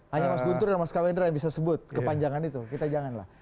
hanya mas guntur dan mas kawendra yang bisa sebut kepanjangan itu kita janganlah